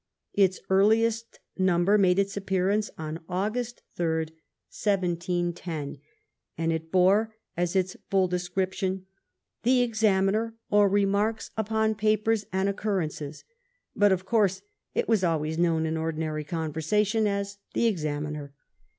Its earliest number made its appearance on August 3, 1710, and it bore as its full description The Examiner, or Remxirles upon Papers and Occur rences, but, of course, it was always known in ordinary conversation as the Examiner.